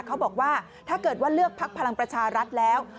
เขาบอกว่าถ้าเกิดว่าเลือกพักพลังประชารัฐแล้ว